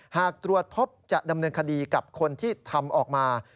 หากตรวจพบจะดำเนินคดีกับคนที่ทำออกมา